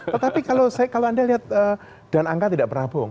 tetapi kalau anda lihat dan angka tidak berabung